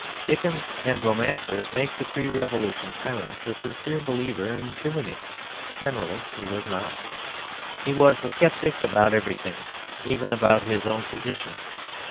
Dickens and romancers make the pre revolution tyrant a sincere believer in tyranny; generally he was not. He was a sceptic about everything, even about his own position.